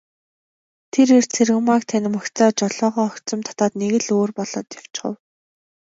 Тэр эр Цэрэгмааг танимагцаа жолоогоо огцом татаад нэг л өөр болоод явчхав.